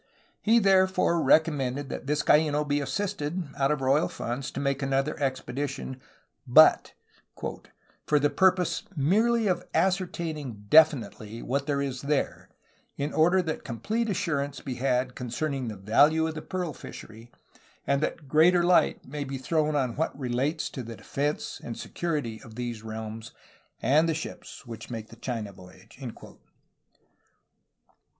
He therefore recommended that Vizcaino be assisted, out of royal funds, to make another expedition, but "for the purpose merely of ascertaining definitely what there is there, in order that complete assurance be had concerning the value of the pearl fishery, and that greater light may be thrown on what relates to the defence and security of these realms and the ships which make the China voyage."